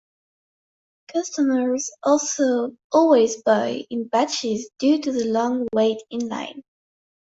Customers also always buy in batches due to the long wait in line.